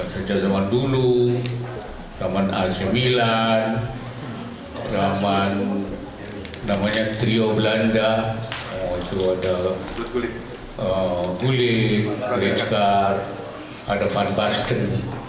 sejak zaman dulu zaman ac milan zaman namanya trio belanda itu ada gulli rijkaard ada van basten